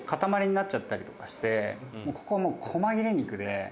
「ここはもうこま切れ肉で」